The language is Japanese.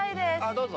どうぞ。